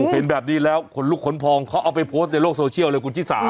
เห็นแบบนี้แล้วขนลุกขนพองเขาเอาไปโพสต์ในโลกโซเชียลเลยคุณชิสา